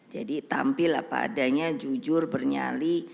jadi tampil apa adanya jujur bernyali